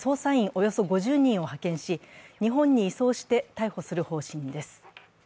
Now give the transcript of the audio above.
およそ５０人を派遣し日本に移送して、逮捕する方針です